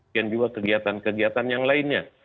dan juga kegiatan kegiatan yang lainnya